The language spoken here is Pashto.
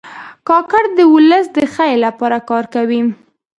کاکړ د ولس د خیر لپاره کار کوي.